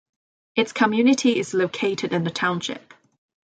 Its community is located in the township.